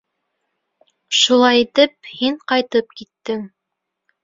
Шулай итеп, һин ҡайтып киттең.